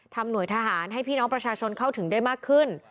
หน่วยทหารให้พี่น้องประชาชนเข้าถึงได้มากขึ้น